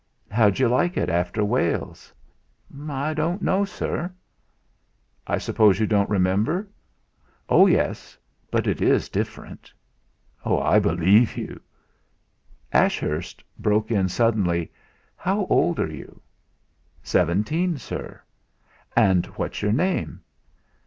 "And how d'you like it after Wales?" "I don't know, sir." "I suppose you don't remember?" "Oh, yes! But it is different." "I believe you!" Ashurst broke in suddenly: "How old are you?" "Seventeen, Sir." "And what's your name?"